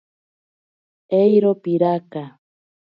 Eiro piraka.